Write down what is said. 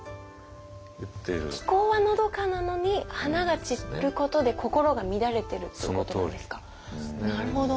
気候はのどかなのに花が散ることで心が乱れてるってことですか。